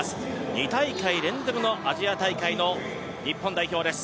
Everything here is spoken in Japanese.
２大会連続のアジア大会の日本代表です。